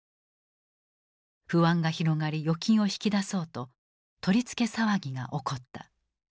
不安が広がり預金を引き出そうと取り付け騒ぎが起こった。